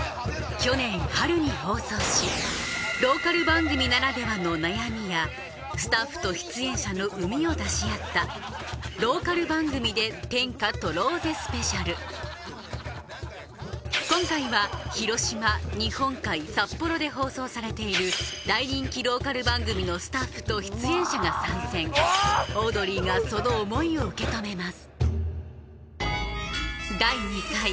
去年春に放送しローカル番組ならではの悩みやスタッフと出演者のうみを出しあった今回は広島日本海札幌で放送されている大人気ローカル番組のスタッフと出演者が参戦オードリーがその思いを受け止めます